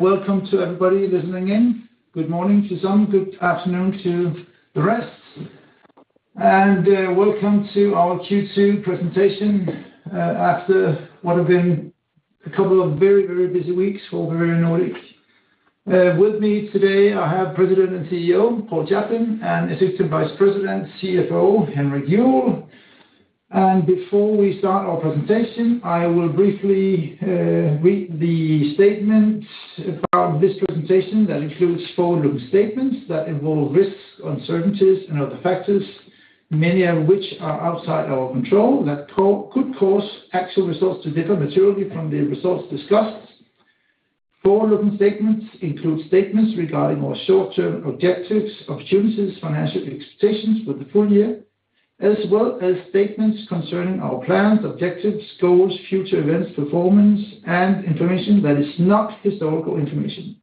Welcome to everybody listening in. Good morning to some, good afternoon to the rest. Welcome to our Q2 presentation after what have been a couple of very, very busy weeks for Bavarian Nordic. With me today, I have President and CEO, Paul Chaplin, and Executive Vice President, CFO, Henrik Juuel. Before we start our presentation, I will briefly read the statement about this presentation that includes forward-looking statements that involve risks, uncertainties, and other factors, many of which are outside our control that could cause actual results to differ materially from the results discussed. Forward-looking statements include statements regarding our short-term objectives, opportunities, financial expectations for the full year, as well as statements concerning our plans, objectives, goals, future events, performance, and information that is not historical information.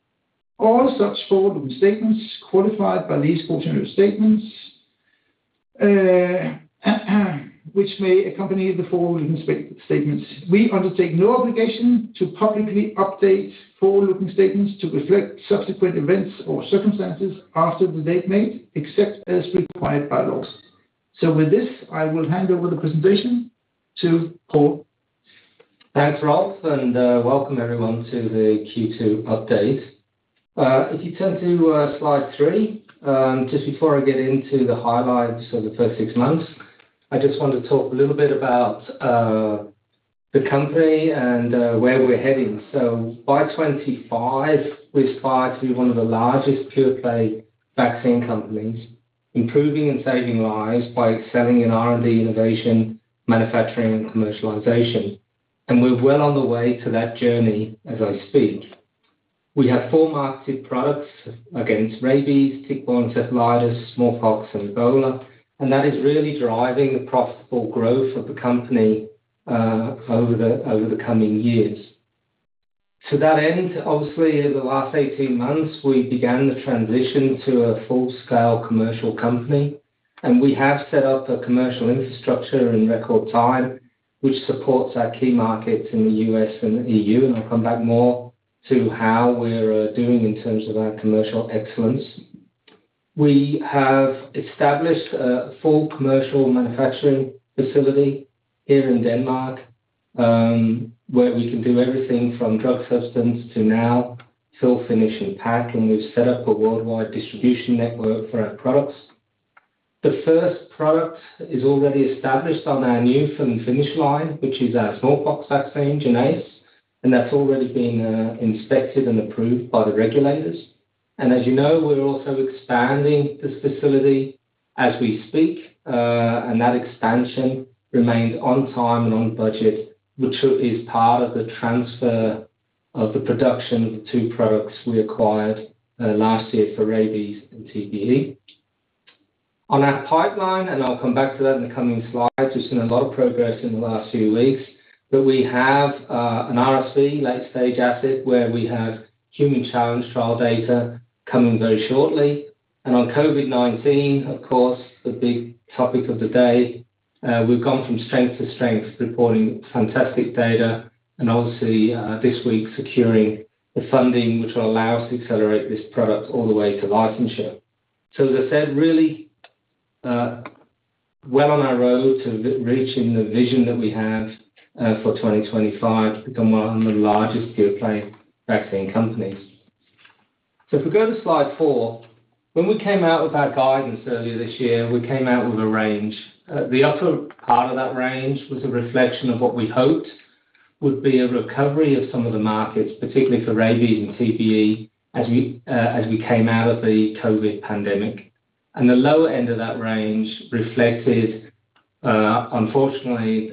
All such forward-looking statements qualified by these cautionary statements, which may accompany the forward-looking statements. We undertake no obligation to publicly update forward-looking statements to reflect subsequent events or circumstances after the date made, except as required by laws. With this, I will hand over the presentation to Paul. Thanks, Rolf, and welcome everyone to the Q2 update. If you turn to slide three, just before I get into the highlights for the first six months, I just want to talk a little bit about the company and where we're heading. By 2025, we aspire to be one of the largest pure-play vaccine companies, improving and saving lives by excelling in R&D innovation, manufacturing, and commercialization. We're well on the way to that journey as I speak. We have four marketed products against rabies, tick-borne encephalitis, smallpox, and Ebola, and that is really driving the profitable growth of the company over the coming years. To that end, obviously in the last 18 months, we began the transition to a full-scale commercial company, and we have set up a commercial infrastructure in record time, which supports our key markets in the U.S. and the EU. I'll come back more to how we're doing in terms of our commercial excellence. We have established a full commercial manufacturing facility here in Denmark, where we can do everything from drug substance to now fill, finish, and pack. We've set up a worldwide distribution network for our products. The first product is already established on our new fill and finish line, which is our smallpox vaccine, JYNNEOS, and that's already been inspected and approved by the regulators. As you know, we're also expanding this facility as we speak, and that expansion remains on time and on budget, which is part of the transfer of the production of the two products we acquired last year for rabies and TBE. On our pipeline, and I'll come back to that in the coming slides, we've seen a lot of progress in the last few weeks. We have an RSV late-stage asset where we have human challenge trial data coming very shortly. On COVID-19, of course, the big topic of the day, we've gone from strength to strength, reporting fantastic data, and obviously this week securing the funding which will allow us to accelerate this product all the way to licensure. As I said, really well on our road to reaching the vision that we have for 2025 to become one of the largest pure-play vaccine companies. If we go to slide four, when we came out with our guidance earlier this year, we came out with a range. The upper part of that range was a reflection of what we hoped would be a recovery of some of the markets, particularly for rabies and TBE, as we came out of the COVID pandemic. The lower end of that range reflected, unfortunately,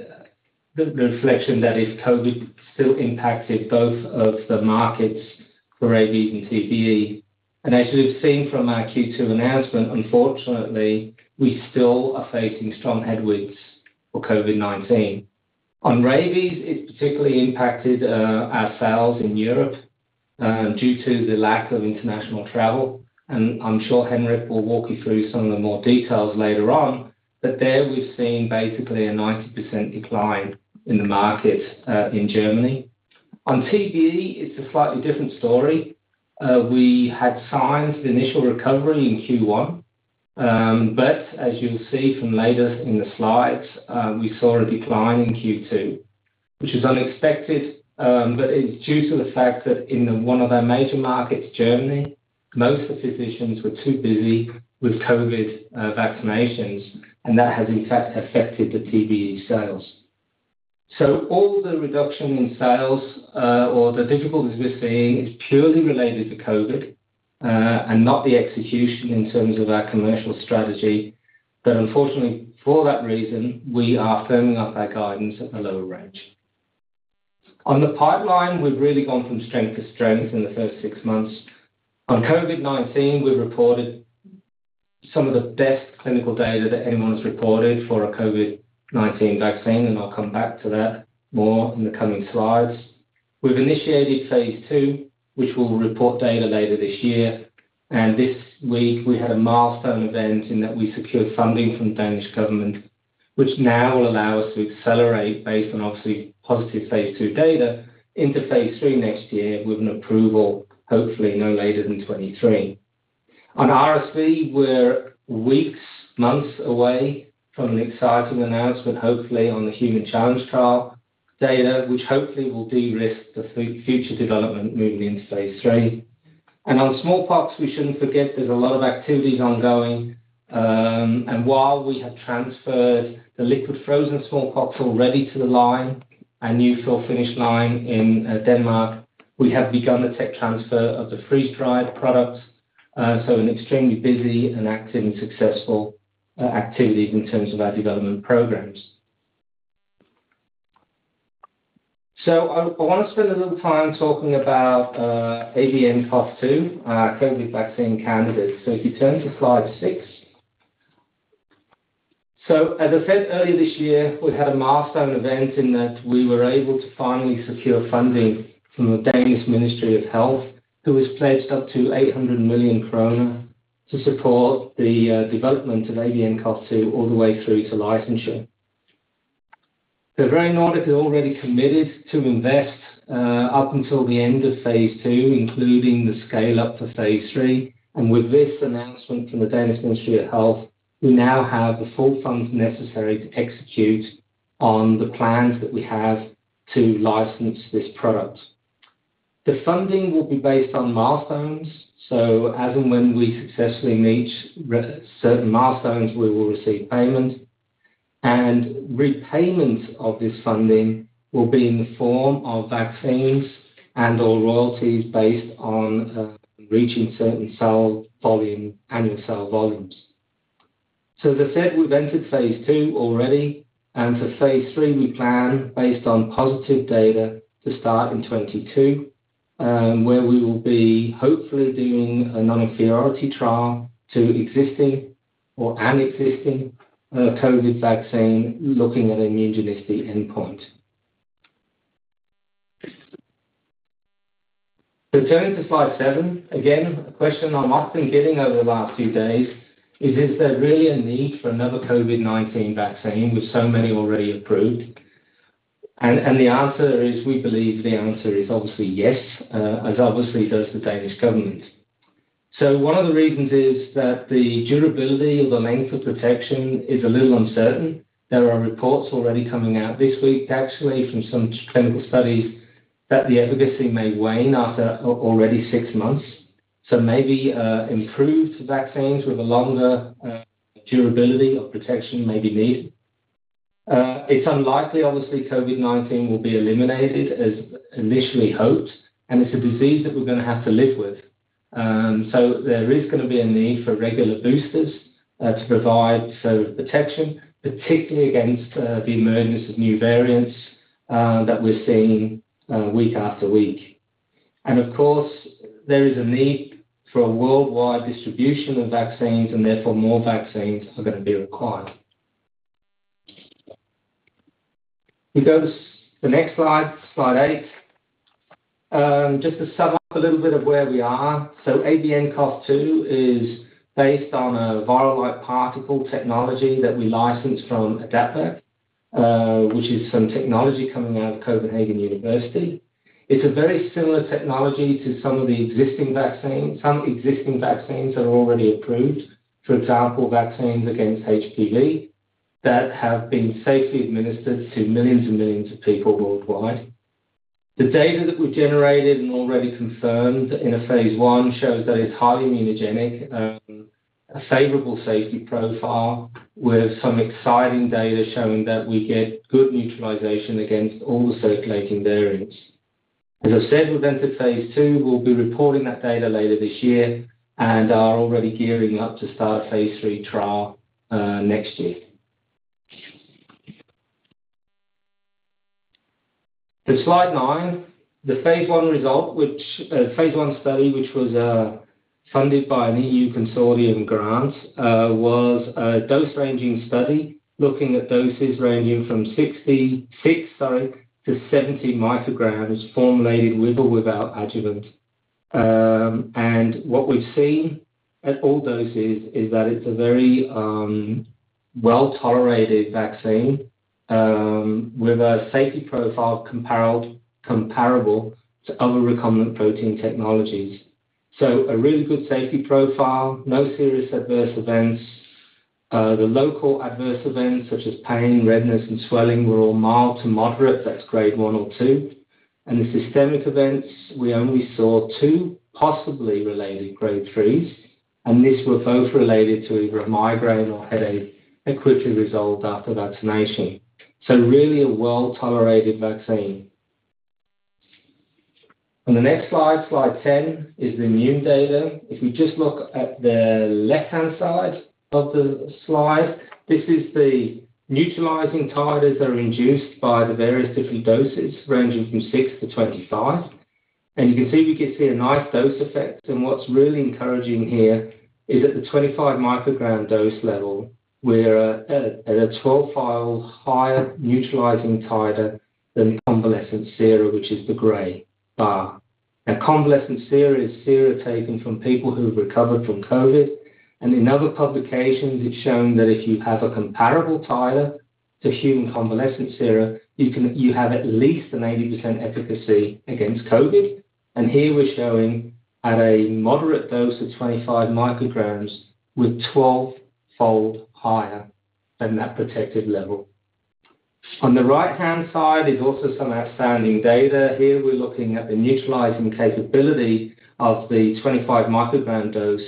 the reflection that is COVID still impacted both of the markets for rabies and TBE. As we've seen from our Q2 announcement, unfortunately, we still are facing strong headwinds for COVID-19. On rabies, it particularly impacted our sales in Europe due to the lack of international travel, and I'm sure Henrik will walk you through some of the more details later on. There, we've seen basically a 90% decline in the market in Germany. On TBE, it's a slightly different story. We had signs of initial recovery in Q1. As you'll see from later in the slides, we saw a decline in Q2, which was unexpected. It's due to the fact that in one of our major markets, Germany, most of the physicians were too busy with COVID vaccinations, and that has in fact affected the TBE sales. All the reduction in sales, or the difficulties we're seeing, is purely related to COVID, and not the execution in terms of our commercial strategy. Unfortunately, for that reason, we are firming up our guidance at the lower range. On the pipeline, we've really gone from strength to strength in the first six months. On COVID-19, we've reported some of the best clinical data that anyone's reported for a COVID-19 vaccine, and I'll come back to that more in the coming slides. We've initiated phase II, which will report data later this year. This week, we had a milestone event in that we secured funding from the Danish government, which now will allow us to accelerate based on, obviously, positive phase II data into phase III next year with an approval, hopefully, no later than 2023. On RSV, we're weeks, months away from an exciting announcement, hopefully, on the human challenge trial data, which hopefully will de-risk the future development moving into phase III. On smallpox, we shouldn't forget there's a lot of activities ongoing. While we have transferred the liquid frozen smallpox already to the line, our new fill-finish line in Denmark, we have begun the tech transfer of the freeze-dried products. An extremely busy and active and successful activity in terms of our development programs. I want to spend a little time talking about ABNCoV2, our COVID vaccine candidate. If you turn to slide six. As I said, earlier this year, we had a milestone event in that we were able to finally secure funding from the Danish Ministry of Health, who has pledged up to 800 million kroner to support the development of ABNCoV2 all the way through to licensure. Bavarian Nordic is already committed to invest up until the end of phase II, including the scale-up for phase III. With this announcement from the Danish Ministry of Health, we now have the full funds necessary to execute on the plans that we have to license this product. The funding will be based on milestones. As and when we successfully meet certain milestones, we will receive payment. Repayment of this funding will be in the form of vaccines and/or royalties based on reaching certain annual sale volumes. As I said, we've entered phase II already, and for phase III, we plan, based on positive data, to start in 2022, where we will be hopefully doing a non-inferiority trial to existing or an existing COVID vaccine, looking at an immunogenicity endpoint. Turning to slide seven. Again, a question I'm often getting over the last few days is there really a need for another COVID-19 vaccine with so many already approved? The answer is, we believe the answer is obviously yes, as obviously does the Danish government. One of the reasons is that the durability or the length of protection is a little uncertain. There are reports already coming out this week, actually, from some clinical studies that the efficacy may wane after already six months. Maybe improved vaccines with a longer durability of protection may be needed. It's unlikely, obviously, COVID-19 will be eliminated as initially hoped, and it's a disease that we're going to have to live with. There is going to be a need for regular boosters to provide sort of protection, particularly against the emergence of new variants that we're seeing week after week. Of course, there is a need for a worldwide distribution of vaccines, and therefore more vaccines are going to be required. We go to the next slide eight. Just to sum up a little bit of where we are. ABNCoV2 is based on a virus-like particle technology that we licensed from AdaptVac, which is some technology coming out of University of Copenhagen. It's a very similar technology to some of the existing vaccines. Some existing vaccines are already approved. For example, vaccines against HPV that have been safely administered to millions and millions of people worldwide. The data that we've generated and already confirmed in a phase I shows that it's highly immunogenic, a favorable safety profile with some exciting data showing that we get good neutralization against all the circulating variants. As I said, we've entered phase II. We will be reporting that data later this year and are already gearing up to start a phase III trial next year. To slide nine. The phase I result, which, phase I study, which was funded by an EU consortium grant, was a dose-ranging study looking at doses ranging from six to 70 micrograms formulated with or without adjuvant. What we've seen at all doses is that it's a very well-tolerated vaccine, with a safety profile comparable to other recombinant protein technologies. A really good safety profile, no serious adverse events. The local adverse events such as pain, redness, and swelling were all mild to moderate. That's grade 1 or 2. The systemic events, we only saw two possibly related grade 3s, and these were both related to either a migraine or headache and quickly resolved after vaccination. Really a well-tolerated vaccine. On the next slide 10, is the immune data. If we just look at the left-hand side of the slide, this is the neutralizing titers that are induced by the various different doses, ranging from six to 25. You can see we can see a nice dose effect. What's really encouraging here is at the 25 microgram dose level, we're at a 12-fold higher neutralizing titer than the convalescent sera, which is the gray bar. A convalescent sera is sera taken from people who have recovered from COVID. In other publications, it is shown that if you have a comparable titer to human convalescent sera, you have at least an 80% efficacy against COVID. Here we are showing at a moderate dose of 25 micrograms we are 12-fold higher than that protective level. On the right-hand side is also some outstanding data. Here we are looking at the neutralizing capability of the 25 microgram dose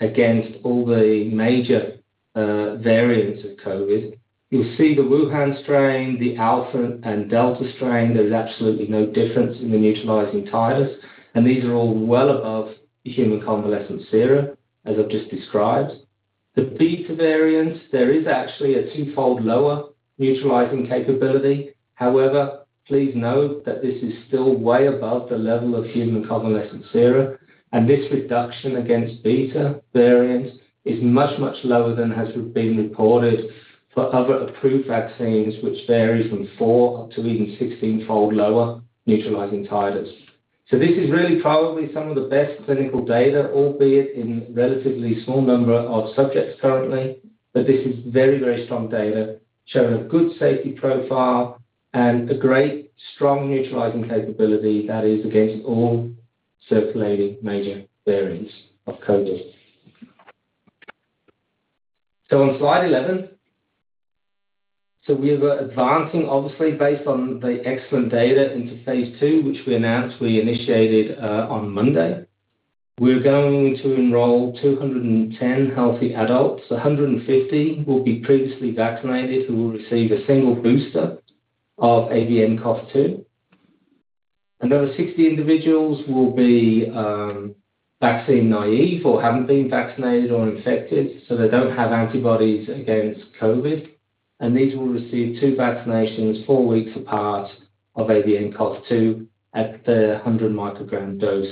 against all the major variants of COVID. You will see the Wuhan strain, the Alpha, and Delta strain. There is absolutely no difference in the neutralizing titers, and these are all well above the human convalescent sera, as I have just described. The Beta variants, there is actually a two-fold lower neutralizing capability. However, please note that this is still way above the level of human convalescent sera, and this reduction against Beta is much, much lower than has been reported for other approved vaccines, which varies from 4-16-fold lower neutralizing titers. This is really probably some of the best clinical data, albeit in a relatively small number of subjects currently. This is very, very strong data showing a good safety profile and a great strong neutralizing capability that is against all circulating major variants of COVID. On slide 11. We are advancing, obviously, based on the excellent data into phase II, which we announced we initiated on Monday. We're going to enroll 210 healthy adults. 150 will be previously vaccinated, who will receive a single booster of ABNCoV2. Another 60 individuals will be vaccine-naive or haven't been vaccinated or infected, so they don't have antibodies against COVID. These will receive two vaccinations four weeks apart of ABNCoV2 at the 100 microgram dose.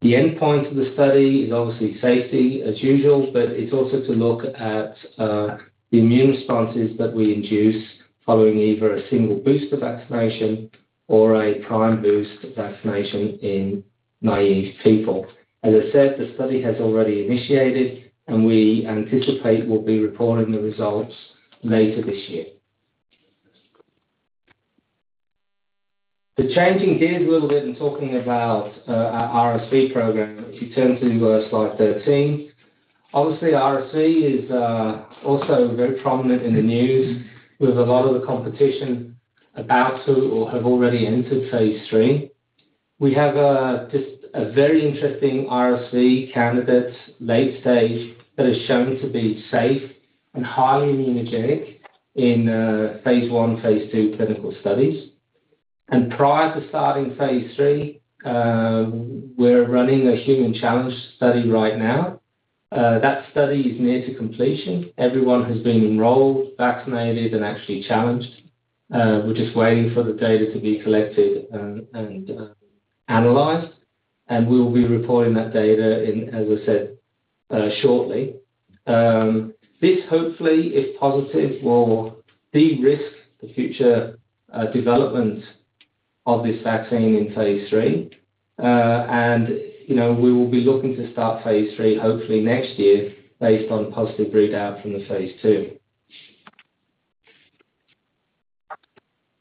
The endpoint of the study is obviously safety as usual, but it's also to look at the immune responses that we induce following either a single booster vaccination or a prime boost vaccination in naive people. As I said, the study has already initiated, and we anticipate we'll be reporting the results later this year. Changing gears a little bit and talking about our RSV program, if you turn to slide 13. Obviously, RSV is also very prominent in the news, with a lot of the competition about to or have already entered phase III. We have just a very interesting RSV candidate, late stage, that has shown to be safe and highly immunogenic in phase I, phase II clinical studies. Prior to starting phase III, we're running a human challenge study right now. That study is near to completion. Everyone has been enrolled, vaccinated, and actually challenged. We're just waiting for the data to be collected and analyzed, and we'll be reporting that data in, as I said, shortly. This hopefully, if positive, will de-risk the future development of this vaccine in phase III. We will be looking to start phase III hopefully next year based on positive readout from the phase II.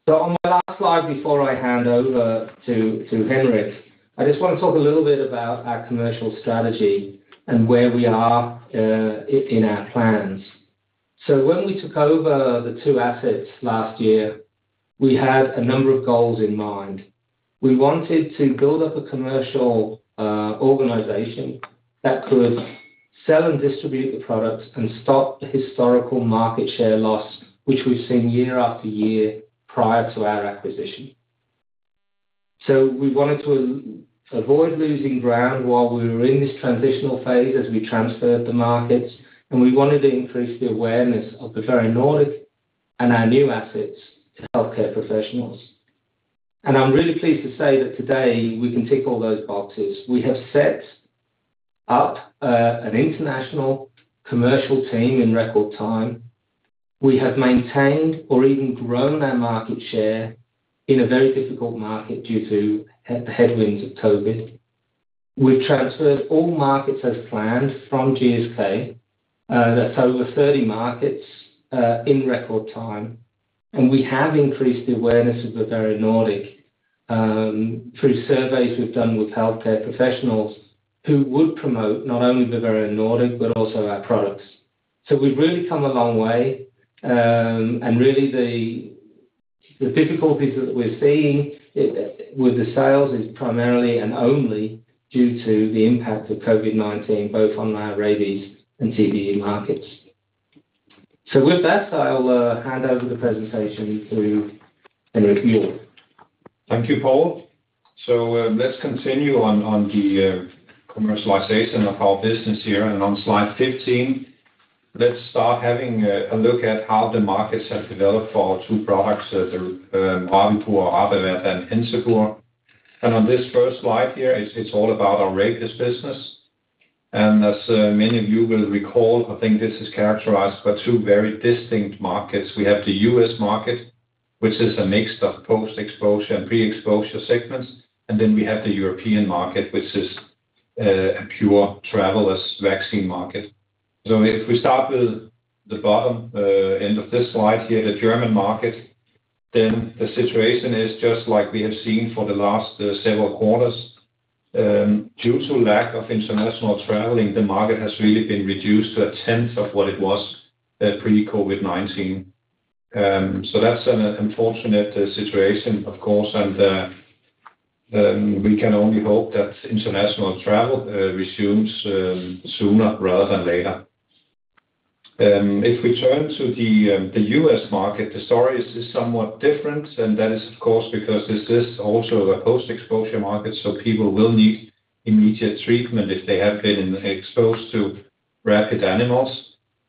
On my last slide before I hand over to Henrik, I just want to talk a little bit about our commercial strategy and where we are in our plans. When we took over the two assets last year, we had a number of goals in mind. We wanted to build up a commercial organization that could sell and distribute the products and stop the historical market share loss, which we've seen year after year prior to our acquisition. We wanted to avoid losing ground while we were in this transitional phase as we transferred the markets, and we wanted to increase the awareness of Bavarian Nordic and our new assets to healthcare professionals. I'm really pleased to say that today, we can tick all those boxes. We have set up an international commercial team in record time. We have maintained or even grown our market share in a very difficult market due to the headwinds of COVID. We've transferred all markets as planned from GSK. That's over 30 markets in record time, and we have increased the awareness of Bavarian Nordic through surveys we've done with healthcare professionals who would promote not only Bavarian Nordic but also our products. We've really come a long way. Really, the difficulties that we're seeing with the sales is primarily and only due to the impact of COVID-19, both on our rabies and TBE markets. With that, I'll hand over the presentation to Henrik Juuel. Thank you, Paul. Let's continue on the commercialization of our business here. On slide 15, let's start having a look at how the markets have developed for our 2 products, Rabipur, RabAvert, and Encepur. On this first slide here, it's all about our rabies business. As many of you will recall, I think this is characterized by two very distinct markets. We have the U.S. market, which is a mix of post-exposure and pre-exposure segments, and then we have the European market, which is a pure travelers vaccine market. If we start with the bottom end of this slide here, the German market, then the situation is just like we have seen for the last several quarters. Due to lack of international traveling, the market has really been reduced to a tenth of what it was pre-COVID-19. That's an unfortunate situation, of course, and we can only hope that international travel resumes sooner rather than later. If we turn to the U.S. market, the story is somewhat different, and that is of course because this is also a post-exposure market, so people will need immediate treatment if they have been exposed to rabid animals.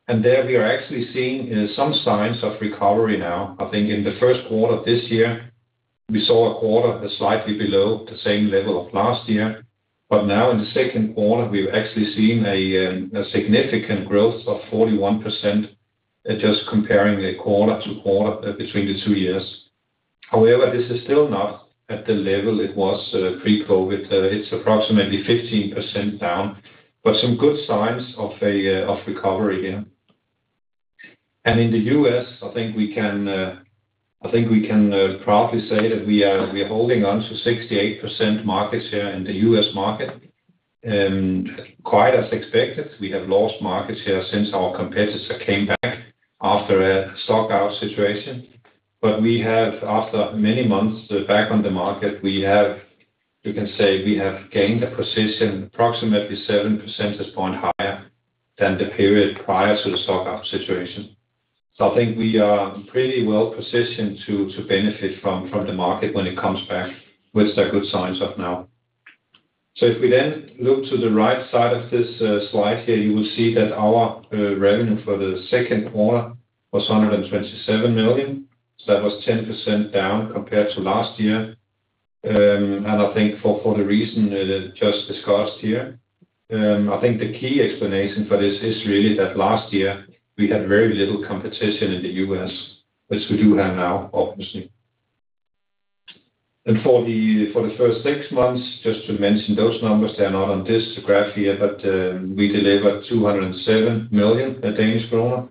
There we are actually seeing some signs of recovery now. I think in the first quarter of this year, we saw a quarter slightly below the same level of last year. Now in the second quarter, we've actually seen a significant growth of 41% just comparing the quarter-over-quarter between the two years. However, this is still not at the level it was pre-COVID. It's approximately 15% down, but some good signs of recovery here. In the U.S., I think we can proudly say that we are holding on to 68% market share in the U.S. market, quite as expected. We have lost market share since our competitor came back after a stockout situation. We have, after many months back on the market, you can say we have gained a position approximately seven percentage point higher than the period prior to the stockout situation. I think we are pretty well positioned to benefit from the market when it comes back, which there are good signs of now. If we look to the right side of this slide here, you will see that our revenue for the second quarter was 127 million. That was 10% down compared to last year. I think for the reason that is just discussed here, I think the key explanation for this is really that last year we had very little competition in the U.S., which we do have now, obviously. For the first six months, just to mention those numbers, they're not on this graph here, but we delivered 207 million Danish kroner,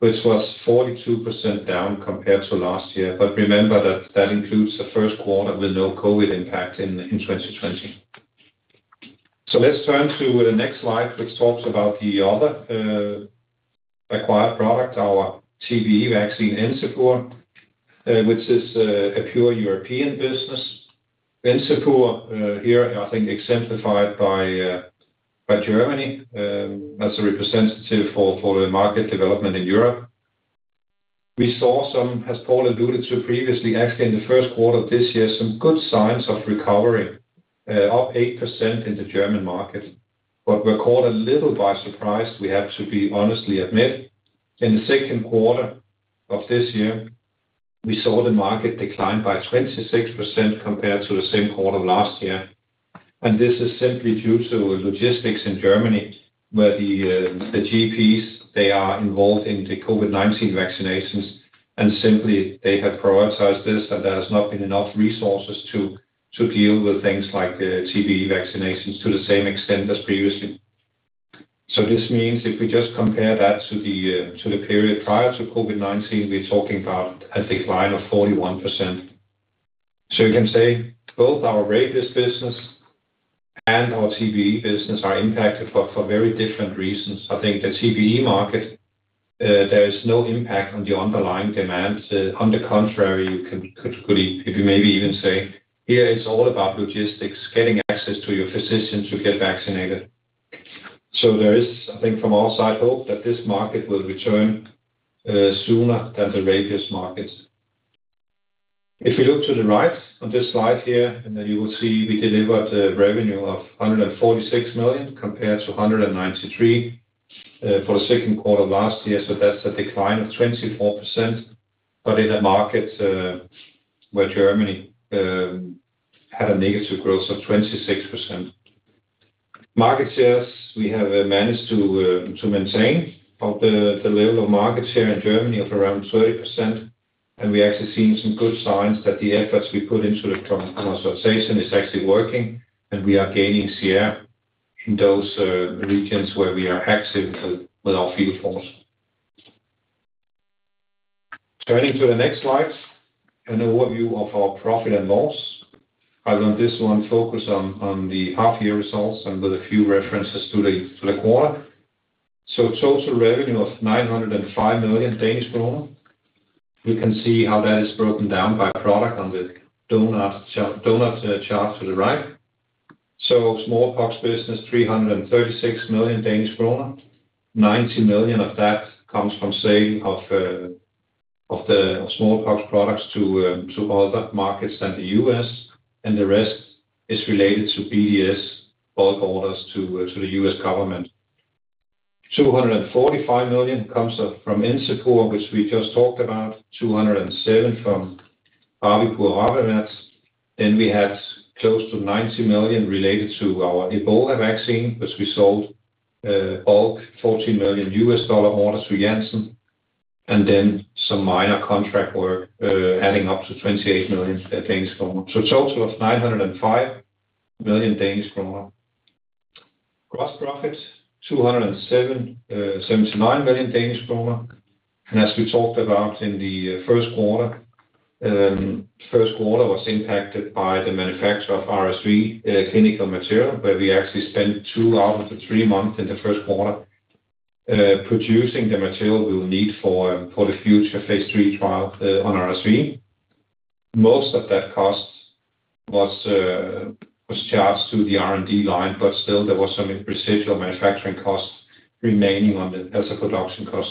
which was 42% down compared to last year. Remember that that includes the first quarter with no COVID impact in 2020. Let's turn to the next slide, which talks about the other acquired product, our TBE vaccine, Encepur, which is a pure European business. Encepur here, I think exemplified by Germany, as a representative for the market development in Europe. We saw some, as Paul Chaplin alluded to previously, actually in the first quarter of this year, some good signs of recovery, up 8% in the German market. We're caught a little by surprise, we have to honestly admit. In the second quarter of this year, we saw the market decline by 26% compared to the same quarter last year. This is simply due to logistics in Germany, where the GPs, they are involved in the COVID-19 vaccinations, and simply they have prioritized this, and there has not been enough resources to deal with things like TBE vaccinations to the same extent as previously. This means if we just compare that to the period prior to COVID-19, we're talking about a decline of 41%. You can say both our rabies business and our TBE business are impacted, but for very different reasons. I think the TBE market, there is no impact on the underlying demand. On the contrary, you could maybe even say, here it's all about logistics, getting access to your physicians who get vaccinated. There is, I think, from our side, hope that this market will return sooner than the rabies markets. Looking to the right on this slide here, you will see we delivered a revenue of 146 million compared to 193 million for the second quarter last year. That's a decline of 24%. In a market where Germany had a negative growth of 26%. Market shares, we have managed to maintain the level of market share in Germany of around 30%, and we actually seen some good signs that the efforts we put into the transformation is actually working, and we are gaining share in those regions where we are active with our field force. Turning to the next slide, an overview of our profit and loss. I want this one focus on the half-year results and with a few references to the quarter. Total revenue of 905 million Danish kroner. We can see how that is broken down by product on the donut chart to the right. Smallpox business, 336 million Danish kroner. 90 million of that comes from sale of the smallpox products to all the markets than the U.S., and the rest is related to BDS bulk orders to the U.S. government. 245 million comes from Encepur, which we just talked about, 207 million from Rabipur/RabAvert. We had close to 90 million related to our Ebola vaccine, which we sold bulk $14 million orders to Janssen, and some minor contract work adding up to 28 million Danish kroner. A total of 905 million Danish kroner. Gross profit, 279 million Danish kroner. As we talked about in the first quarter, first quarter was impacted by the manufacture of RSV clinical material, where we actually spent two out of the three months in the first quarter producing the material we will need for the future phase III trial on RSV. Most of that cost was charged to the R&D line, but still there was some residual manufacturing costs remaining on the idle production cost.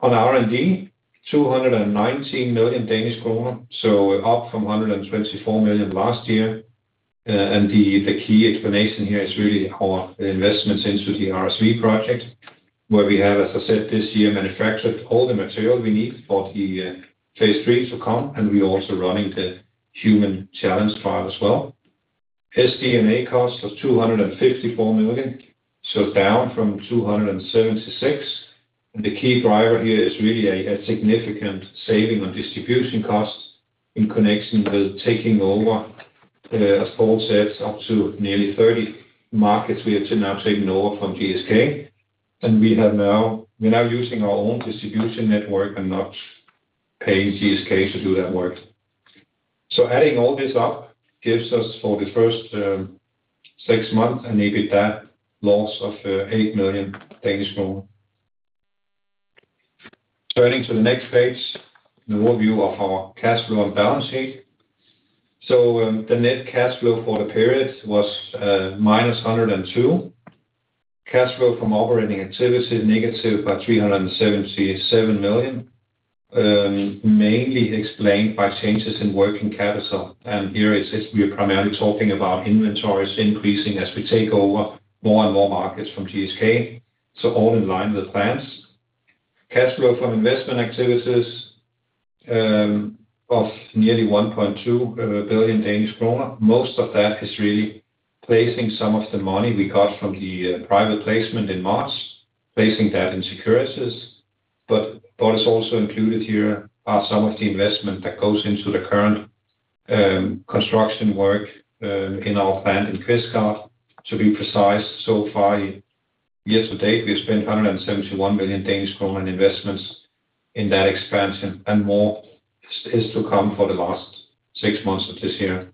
On R&D, 219 million, so up from 124 million last year. The key explanation here is really our investments into the RSV project, where we have, as I said, this year, manufactured all the material we need for the phase IIIs to come, and we are also running the human challenge trial as well. SG&A cost was 254 million, so down from 276 million. The key driver here is really a significant saving on distribution costs in connection with taking over, as Paul said, up to nearly 30 markets we have to now take north from GSK. We are now using our own distribution network and not paying GSK to do that work. Adding all this up gives us, for the first six months, an EBITDA loss of 8 million. Turning to the next page, the overview of our cash flow and balance sheet. The net cash flow for the period was minus 102 million. Cash flow from operating activity is negative by 377 million, mainly explained by changes in working capital. Here, we are primarily talking about inventories increasing as we take over more and more markets from GSK. All in line with plans. Cash flow from investment activities of nearly 1.2 billion Danish kroner. Most of that is really placing some of the money we got from the private placement in March, placing that in securities. What is also included here are some of the investment that goes into the current construction work in our plant in Kvistgaard. To be precise, so far year to date, we have spent 171 million Danish kroner in investments in that expansion, and more is to come for the last six months of this year.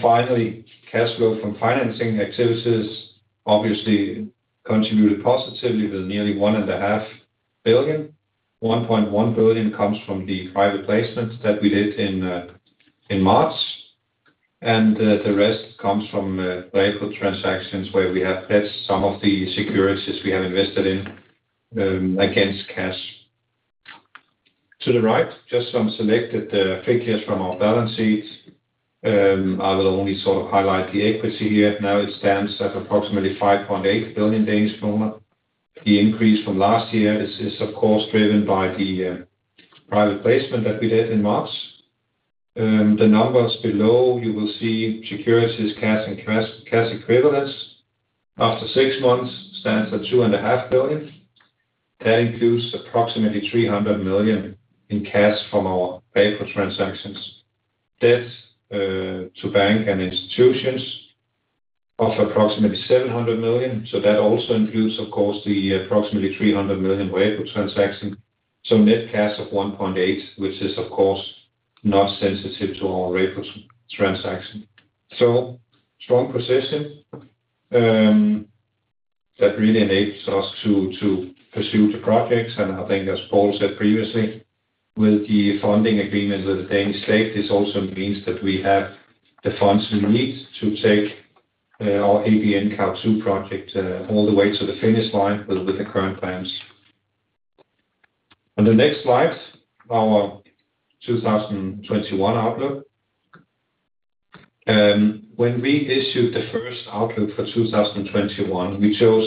Finally, cash flow from financing activities obviously contributed positively with nearly 1.5 billion. 1.1 billion comes from the private placements that we did in March, and the rest comes from repo transactions where we have hedged some of the securities we have invested in against cash. To the right, just some selected figures from our balance sheet. I will only sort of highlight the equity here. Now it stands at approximately 5.8 billion. The increase from last year is of course driven by the private placement that we did in March. The numbers below, you will see securities, cash and cash equivalents. After six months, stands at 2.5 billion. That includes approximately 300 million in cash from our repo transactions. Debt to bank and institutions of approximately 700 million. That also includes, of course, the approximately 300 million repo transaction. Net cash of 1.8 billion, which is, of course, not sensitive to our repo transaction. Strong position that really enables us to pursue the projects. I think as Paul said previously, with the funding agreement with the Danish state, this also means that we have the funds we need to take our ABNCoV2 project all the way to the finish line with the current plans. On the next slide, our 2021 outlook. When we issued the first outlook for 2021, we chose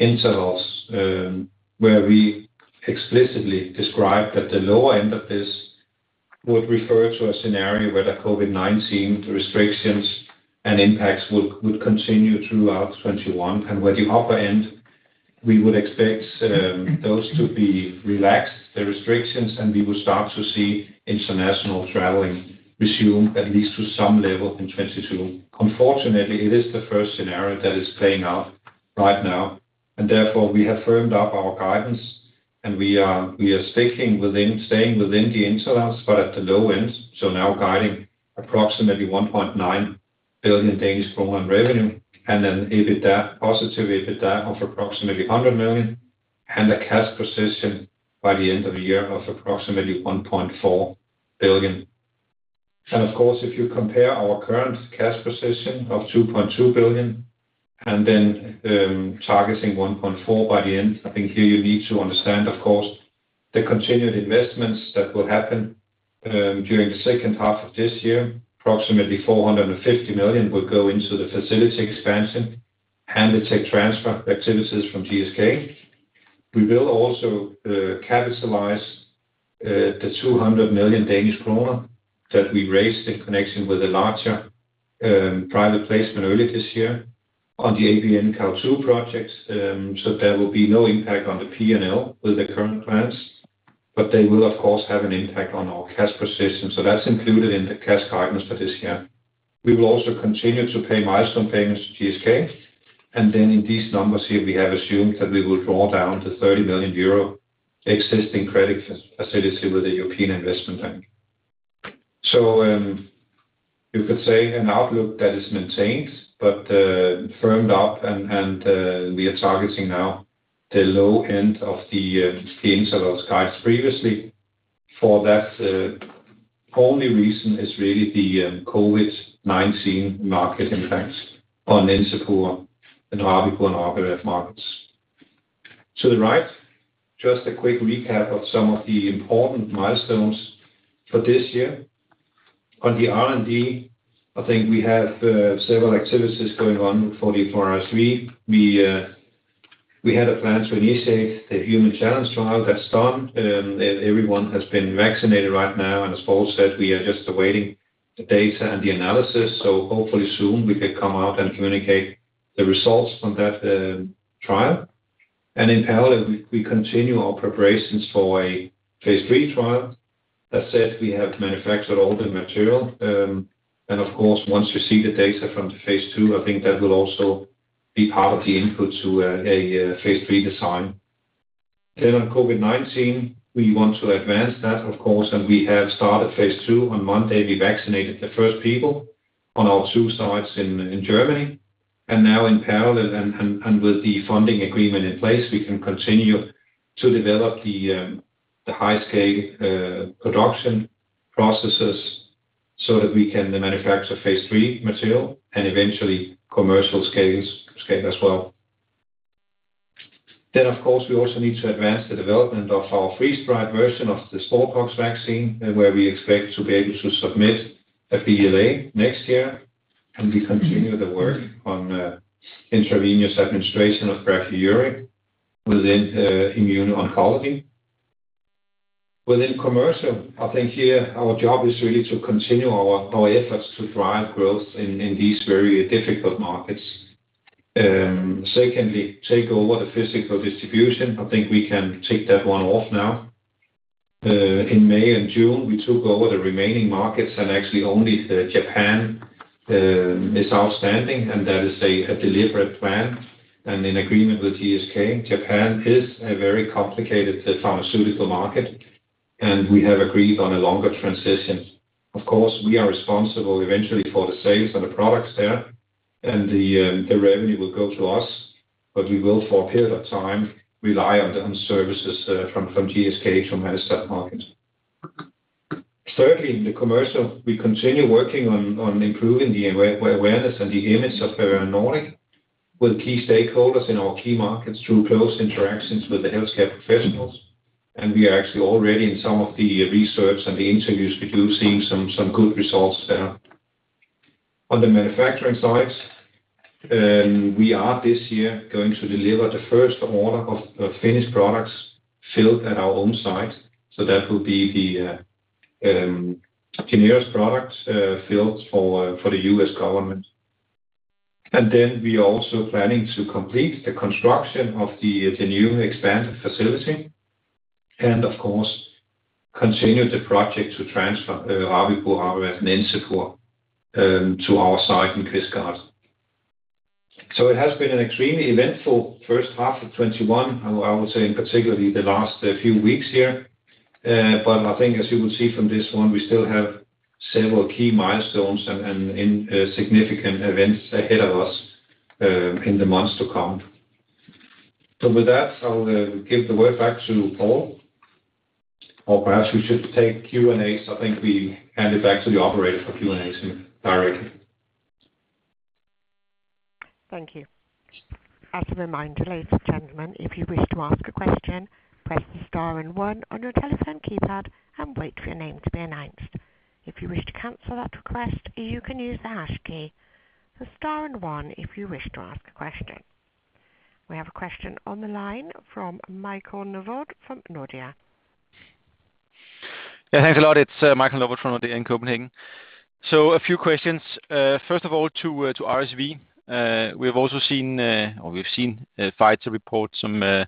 intervals where we explicitly described that the lower end of this would refer to a scenario where the COVID-19 restrictions and impacts would continue throughout 2021, and where the upper end, we would expect those to be relaxed, the restrictions, and we would start to see international traveling resume at least to some level in 2022. Unfortunately, it is the first scenario that is playing out right now, and therefore, we have firmed up our guidance, and we are staying within the intervals, but at the low end, now guiding approximately 1.9 billion in revenue, and then positive EBITDA of approximately 100 million, and a cash position by the end of the year of approximately 1.4 billion. Of course, if you compare our current cash position of 2.2 billion and then targeting 1.4 billion by the end, I think here you need to understand, of course. The continued investments that will happen during the second half of this year, approximately 450 million will go into the facility expansion and the tech transfer activities from GSK. We will also capitalize the 200 million Danish kroner that we raised in connection with a larger private placement earlier this year on the ABNCoV2 projects. There will be no impact on the P&L with the current plans, but they will, of course, have an impact on our cash position. That's included in the cash guidance for this year. We will also continue to pay milestone payments to GSK. In these numbers here, we have assumed that we will draw down the 30 million euro existing credit facility with the European Investment Bank. You could say an outlook that is maintained but firmed up, and we are targeting now the low end of the intervals guides previously for that. Only reason is really the COVID-19 market impacts on Encepur and Rabipur and RabAvert markets. To the right, just a quick recap of some of the important milestones for this year. On the R&D, I think we have several activities going on for the RSV. We had a plan to initiate the human challenge trial. That's done. Everyone has been vaccinated right now, and as Paul said, we are just awaiting the data and the analysis. Hopefully soon we can come out and communicate the results from that trial. In parallel, we continue our preparations for a phase III trial. That said, we have manufactured all the material. Of course, once you see the data from the phase II, I think that will also be part of the input to a phase III design. On COVID-19, we want to advance that, of course, and we have started phase II. On Monday, we vaccinated the first people on our two sites in Germany. Now in parallel and with the funding agreement in place, we can continue to develop the high-scale production processes so that we can then manufacture phase III material and eventually commercial scale as well. Of course, we also need to advance the development of our freeze-dried version of the smallpox vaccine, where we expect to be able to submit a BLA next year, and we continue the work on intravenous administration of Brachyury within immuno-oncology. Within commercial, I think here our job is really to continue our efforts to drive growth in these very difficult markets. Secondly, take over the physical distribution. I think we can tick that one off now. In May and June, we took over the remaining markets, and actually only Japan is outstanding, and that is a deliberate plan. In agreement with GSK, Japan is a very complicated pharmaceutical market, and we have agreed on a longer transition. Of course, we are responsible eventually for the sales of the products there, and the revenue will go to us, but we will, for a period of time, rely on services from GSK to manage that market. Thirdly, in the commercial, we continue working on improving the awareness and the image of Bavarian Nordic with key stakeholders in our key markets through close interactions with the healthcare professionals. We are actually already in some of the research and the interviews we do, seeing some good results there. On the manufacturing side, we are this year going to deliver the first order of finished products filled at our own site. That will be the JYNNEOS products filled for the U.S. government. We are also planning to complete the construction of the new expanded facility and of course, continue the project to transfer Rabipur, RabAvert, Encepur to our site in Kvistgaard. It has been an extremely eventful first half of 2021, I would say in particular the last few weeks here. I think as you would see from this one, we still have several key milestones and significant events ahead of us in the months to come. With that, I will give the word back to Paul Chaplin. Perhaps we should take Q&A, so I think we hand it back to the operator for Q&A directly. Thank you. As a reminder, ladies and gentlemen, if you wish to ask a question, press the star and one on your telephone keypad and wait for your name to be announced. If you wish to cancel that request, you can use the hash key. The star and one if you wish to ask a question. We have a question on the line from Michael Novod from Nordea. Yeah, thanks a lot. It is Michael Novod from Nordea in Copenhagen. A few questions. First of all, to RSV. We have also seen, or we have seen, Pfizer report some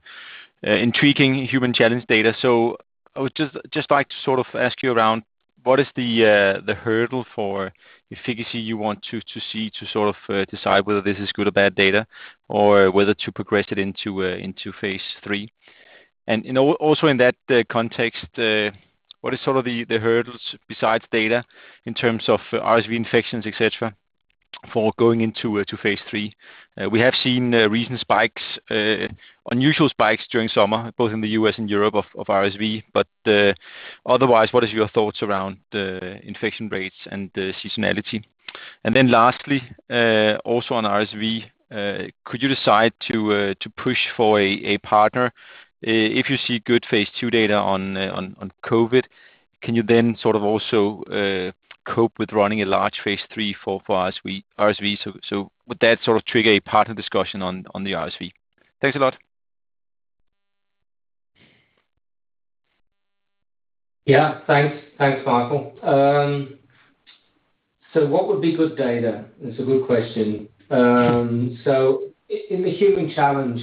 intriguing human challenge data. I would just like to sort of ask you around what is the hurdle for efficacy you want to see to sort of decide whether this is good or bad data, or whether to progress it into phase III? Also in that context, what is sort of the hurdles besides data in terms of RSV infections, et cetera? For going into phase III. We have seen recent spikes, unusual spikes during summer, both in the U.S. and Europe of RSV. Otherwise, what is your thoughts around the infection rates and the seasonality? Lastly, also on RSV, could you decide to push for a partner if you see good phase II data on COVID? Can you then sort of also cope with running a large phase III for RSV? Would that sort of trigger a partner discussion on the RSV? Thanks a lot. Yeah. Thanks, Michael. What would be good data? It's a good question. In the human challenge,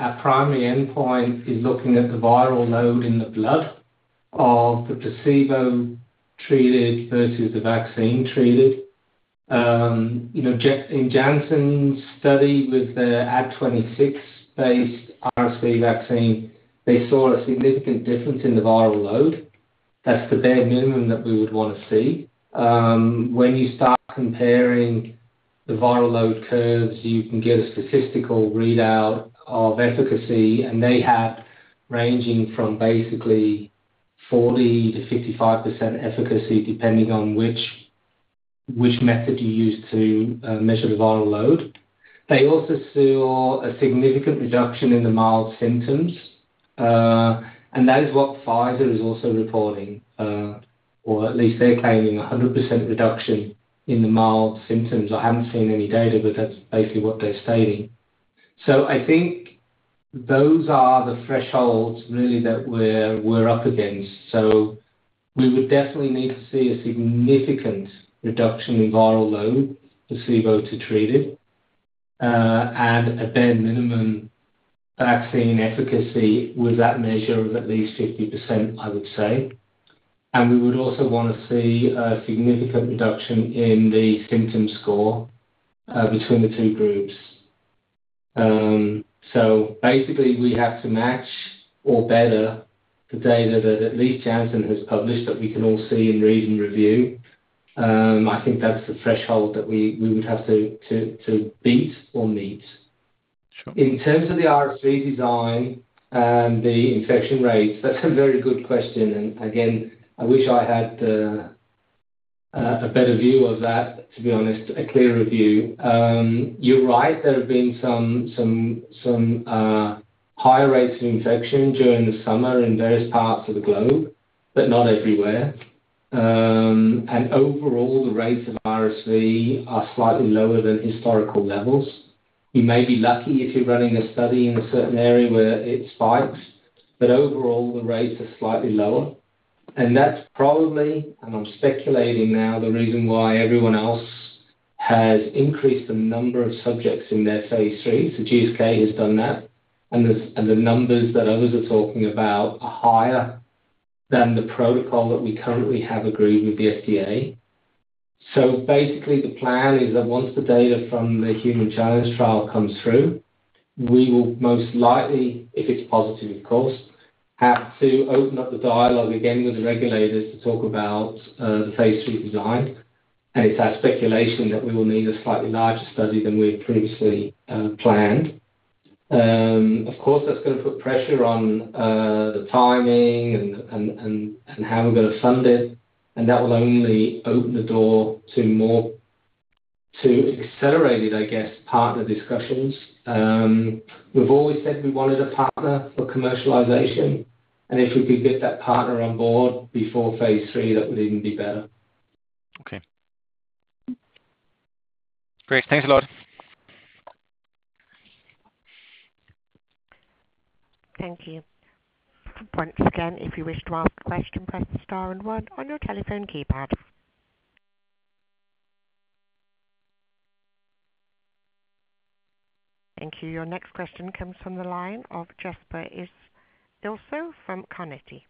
our primary endpoint is looking at the viral load in the blood of the placebo-treated versus the vaccine-treated. In Janssen's study with their Ad26-based RSV vaccine, they saw a significant difference in the viral load. That's the bare minimum that we would want to see. When you start comparing the viral load curves, you can get a statistical readout of efficacy, they had ranging from basically 40%-55% efficacy, depending on which method you use to measure the viral load. They also saw a significant reduction in the mild symptoms. That is what Pfizer is also reporting, or at least they're claiming 100% reduction in the mild symptoms. I haven't seen any data, that's basically what they're stating. I think those are the thresholds really that we're up against. We would definitely need to see a significant reduction in viral load, placebo to treated, and a bare minimum vaccine efficacy with that measure of at least 50%, I would say. We would also want to see a significant reduction in the symptom score between the two groups. Basically, we have to match or better the data that at least Janssen has published that we can all see and read and review. I think that's the threshold that we would have to beat or meet. Sure. In terms of the RSV design and the infection rates, that's a very good question. Again, I wish I had a better view of that, to be honest, a clearer view. You're right that there have been some high rates of infection during the summer in various parts of the globe, but not everywhere. Overall, the rates of RSV are slightly lower than historical levels. You may be lucky if you're running a study in a certain area where it spikes, but overall, the rates are slightly lower. That's probably, and I'm speculating now, the reason why everyone else has increased the number of subjects in their phase III. GSK has done that, and the numbers that others are talking about are higher than the protocol that we currently have agreed with the FDA. Basically, the plan is that once the data from the human challenge trial comes through, we will most likely, if it is positive, of course, have to open up the dialogue again with the regulators to talk about the phase III design. It is our speculation that we will need a slightly larger study than we had previously planned. Of course, that's going to put pressure on the timing and how we're going to fund it, and that will only open the door to accelerated, I guess, partner discussions. We've always said we wanted a partner for commercialization, and if we could get that partner on board before phase III, that would even be better. Okay. Great. Thanks a lot. Thank you. Once again, if you wish to ask a question, press star and one on your telephone keypad. Thank you. Your next question comes from the line of Jesper Ilsøe from Carnegie.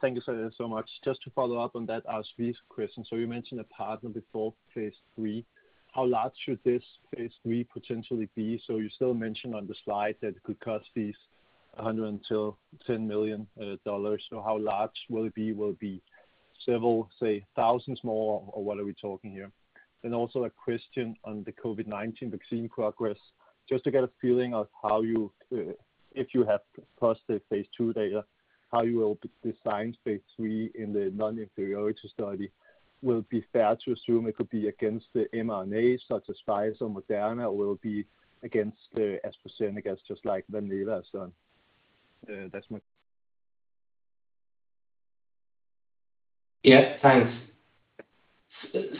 Thank you so much. Just to follow up on that RSV question. You mentioned a partner before phase III. How large should this phase III potentially be? You still mention on the slide that it could cost these 100 until DKK 10 million. How large will it be? Will it be several, say, thousands more, or what are we talking here? Also a question on the COVID-19 vaccine progress, just to get a feeling of how you, if you have positive phase II data, how you will design phase III in the non-inferiority study. Will it be fair to assume it could be against the mRNA, such as Pfizer or Moderna, or will it be against AstraZeneca, just like Valneva has done? Yeah. Thanks.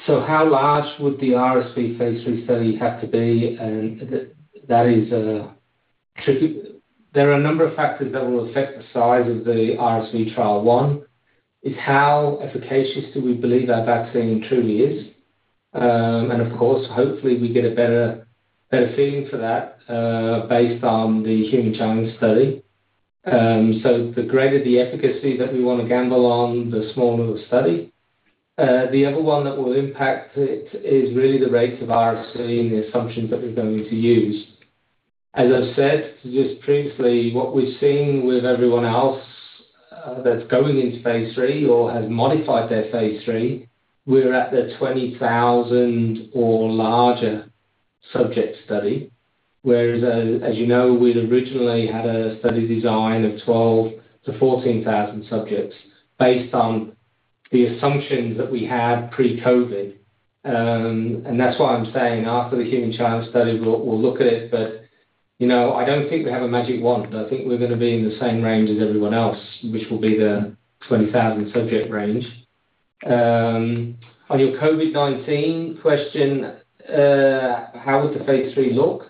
How large would the RSV phase III study have to be? There are a number of factors that will affect the size of the RSV trial. One is how efficacious do we believe our vaccine truly is. Of course, hopefully we get a better feeling for that based on the human challenge trial. The greater the efficacy that we want to gamble on, the smaller the study. The other one that will impact it is really the rates of RSV and the assumptions that we're going to use. As I've said just previously, what we're seeing with everyone else that's going into phase III or has modified their phase III, we're at the 20,000 or larger subject study. Whereas, as you know, we'd originally had a study design of 12,000-14,000 subjects based on the assumptions that we had pre-COVID. That's why I'm saying after the human challenge trial, we'll look at it. I don't think we have a magic wand. I think we're going to be in the same range as everyone else, which will be the 20,000 subject range. On your COVID-19 question, how would the phase III look?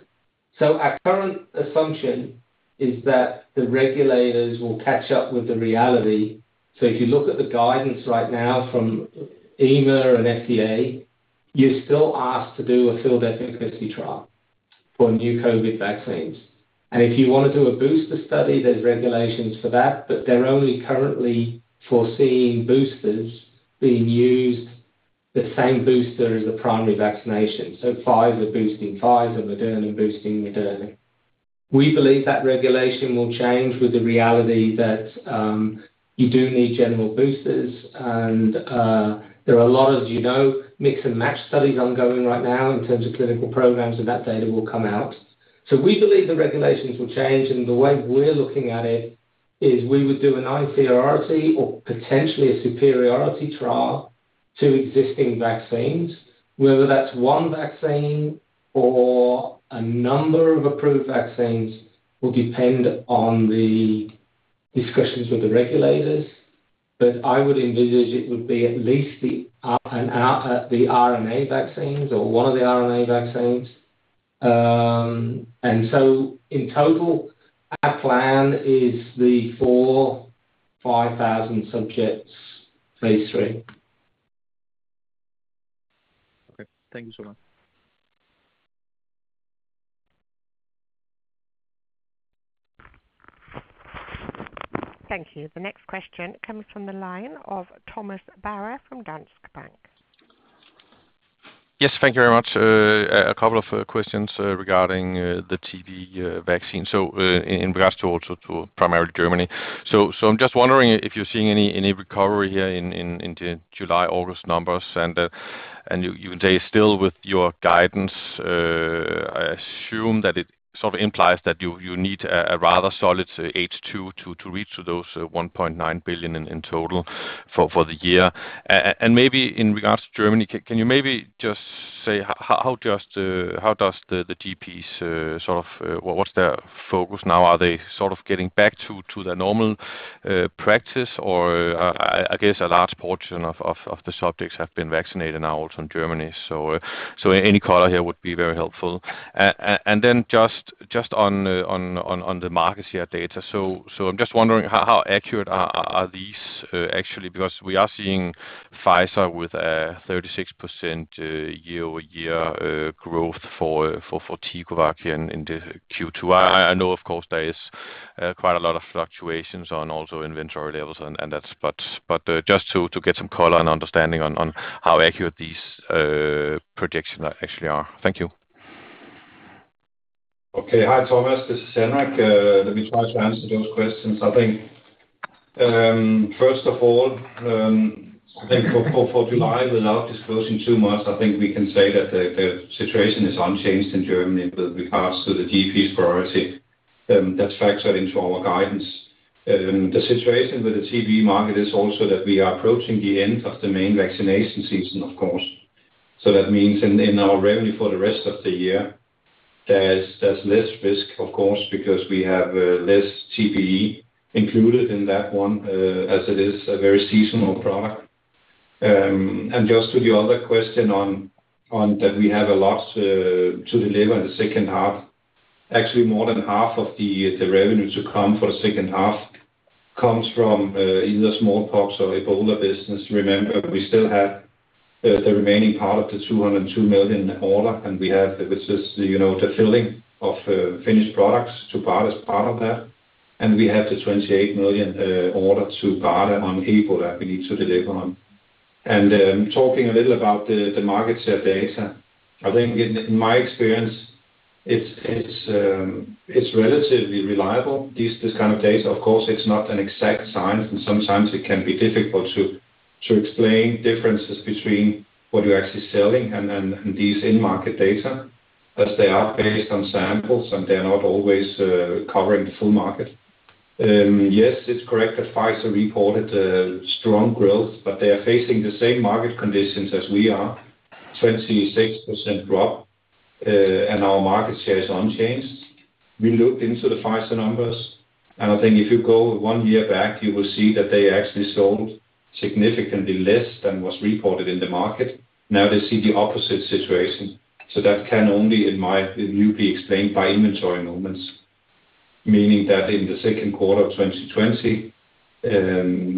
Our current assumption is that the regulators will catch up with the reality. If you look at the guidance right now from EMA and FDA, you're still asked to do a field efficacy trial for new COVID vaccines. If you want to do a booster study, there's regulations for that, but they're only currently foreseeing boosters being used the same booster as the primary vaccination. Pfizer boosting Pfizer, Moderna boosting Moderna. We believe that regulation will change with the reality that you do need general boosters and there are a lot of mix-and-match studies ongoing right now in terms of clinical programs, and that data will come out. We believe the regulations will change, and the way we're looking at it is we would do a non-inferiority or potentially a superiority trial to existing vaccines. Whether that's one vaccine or a number of approved vaccines will depend on the discussions with the regulators. I would envisage it would be at least the mRNA vaccines or one of the mRNA vaccines. In total, our plan is 5,000 subjects phase III. Okay. Thank you so much. Thank you. The next question comes from the line of Thomas Bowers from Danske Bank. Yes, thank you very much. Two questions regarding the TBE vaccine. In regards to also primarily Germany. I'm just wondering if you're seeing any recovery here in the July, August numbers and you stay still with your guidance. I assume that it sort of implies that you need a rather solid H2 to reach to those 1.9 billion in total for the year. Maybe in regards to Germany, can you maybe just say, how does the GPs, what's their focus now? Are they sort of getting back to their normal practice or I guess a large portion of the subjects have been vaccinated now also in Germany. Any color here would be very helpful. Just on the market share data. I am just wondering how accurate are these actually because we are seeing Pfizer with a 36% year-over-year growth for TicoVac in the Q2. I know, of course, there is quite a lot of fluctuations on also inventory levels and that, but just to get some color and understanding on how accurate these projections actually are. Thank you. Okay. Hi, Thomas. This is Henrik. I think, first of all, I think for July, without disclosing too much, I think we can say that the situation is unchanged in Germany with regards to the GP's priority. That's factored into our guidance. The situation with the TBE market is also that we are approaching the end of the main vaccination season, of course. That means in our revenue for the rest of the year, there's less risk, of course, because we have less TBE included in that one, as it is a very seasonal product. Just to the other question on that we have a lot to deliver in the second half. Actually, more than half of the revenue to come for the second half comes from either smallpox or Ebola business. Remember, we still have the remaining part of the 202 million order, and we have this filling of finished products to BARDA as part of that. We have the 28 million order to BARDA on Ebola that we need to deliver on. Talking a little about the market share data. I think in my experience, it's relatively reliable, this kind of data. Of course, it's not an exact science, and sometimes it can be difficult to explain differences between what you're actually selling and these in-market data, as they are based on samples, and they're not always covering the full market. Yes, it's correct that Pfizer reported a strong growth, but they are facing the same market conditions as we are, 26% drop, and our market share is unchanged. We looked into the Pfizer numbers. I think if you go one year back, you will see that they actually sold significantly less than was reported in the market. Now they see the opposite situation. That can only, in my view, be explained by inventory movements, meaning that in the second quarter of 2020,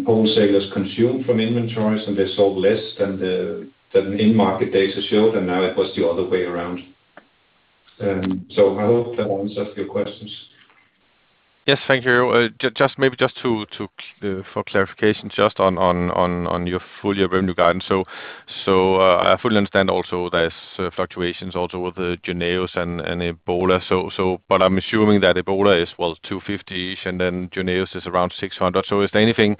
wholesalers consumed from inventories, and they sold less than the in-market data showed, and now it was the other way around. I hope that answers your questions. Yes. Thank you. Maybe just for clarification on your full year revenue guidance. I fully understand also there's fluctuations also with JYNNEOS and Ebola, but I'm assuming that Ebola is 250-ish million, and then JYNNEOS is around 600 million. Is there anything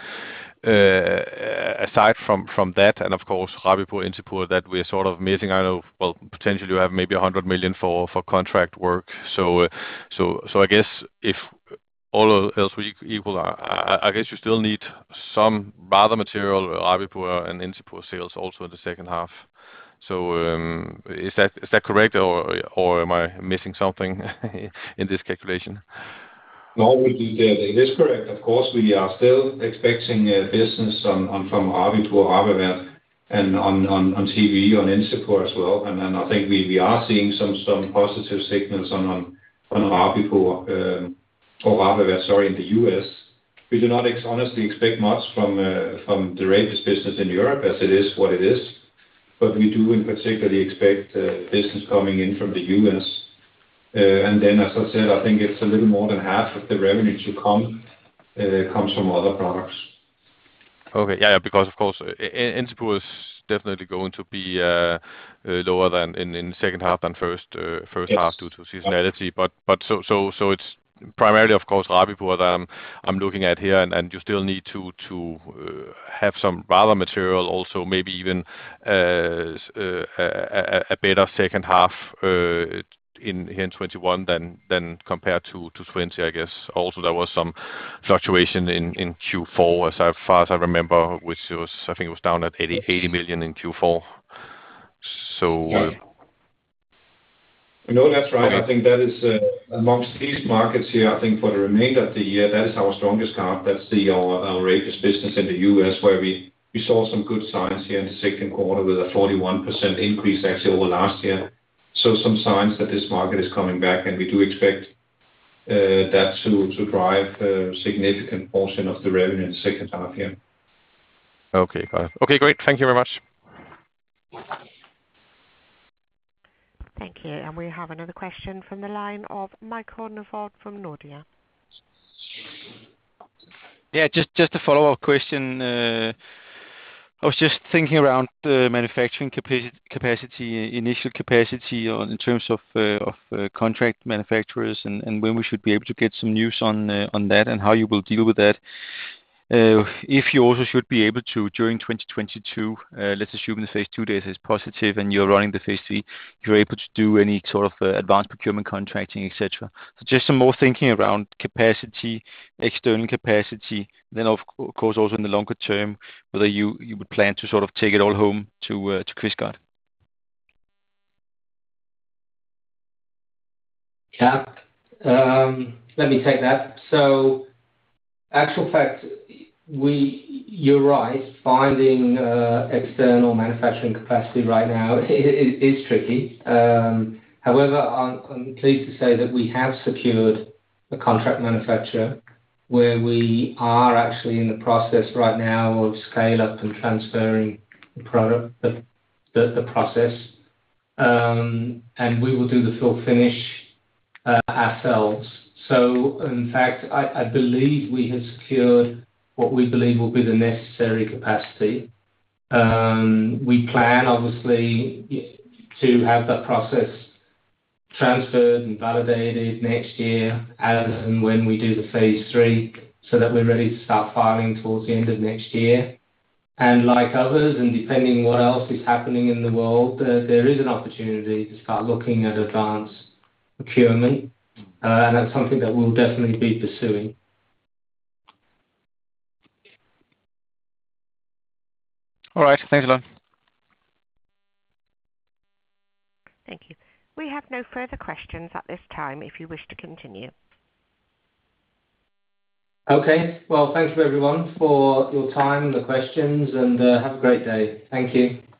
aside from that, and of course, Rabipur, Encepur, that we're sort of missing? I know, potentially you have maybe 100 million for contract work. I guess if all else were equal, I guess you still need some rather material Rabipur and Encepur sales also in the second half. Is that correct, or am I missing something in this calculation? No, it is correct. Of course, we are still expecting business from Rabipur, RabAvert, and on TBE on Encepur as well. I think we are seeing some positive signals on Rabipur or RabAvert, sorry, in the U.S. We do not honestly expect much from the rabies business in Europe as it is what it is, but we do in particular expect business coming in from the U.S. Then, as I said, I think it's a little more than half of the revenue to come, comes from other products. Okay. Yeah, because of course, Encepur is definitely going to be lower in the second half than first half. Yes due to seasonality. It's primarily, of course, Rabipur that I'm looking at here, and you still need to have some rather material also maybe even a better second half in 2021 than compared to 2020, I guess. There was some fluctuation in Q4 as far as I remember, which I think it was down at 80 million in Q4. No, that's right. Okay. I think that is amongst these markets here, I think for the remainder of the year, that is our strongest card. That's our rabies business in the U.S. where we saw some good signs here in the second quarter with a 41% increase actually over last year. Some signs that this market is coming back, and we do expect that to drive a significant portion of the revenue in the second half, yeah. Okay, got it. Okay, great. Thank you very much. Thank you. We have another question from the line of Michael Novod from Nordea. Yeah, just a follow-up question. I was just thinking around the manufacturing capacity, initial capacity in terms of contract manufacturers and when we should be able to get some news on that and how you will deal with that. If you also should be able to, during 2022, let's assume the phase II data is positive and you're running the phase III, you're able to do any sort of advanced procurement contracting, et cetera. Just some more thinking around capacity, external capacity, then of course, also in the longer term, whether you would plan to sort of take it all home to Kvistgaard. Yeah. Let me take that. Actual fact, you're right. Finding external manufacturing capacity right now is tricky. I'm pleased to say that we have secured a contract manufacturer where we are actually in the process right now of scale-up and transferring the process. We will do the fill-finish ourselves. In fact, I believe we have secured what we believe will be the necessary capacity. We plan obviously to have that process transferred and validated next year as and when we do the phase III so that we're ready to start filing towards the end of next year. Like others, and depending what else is happening in the world, there is an opportunity to start looking at advanced procurement. That's something that we'll definitely be pursuing. All right. Thanks a lot. Thank you. We have no further questions at this time, if you wish to continue. Okay. Well, thank you everyone for your time and the questions, and have a great day. Thank you.